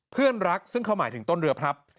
เพื่อนรักซึ่งเขาหมายถึงต้นเรือพลับ